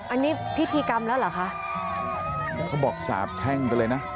อันนี้พิธีกรรมแล้วเหรอคะเขาบอกสาบแช่งไปเลยนะ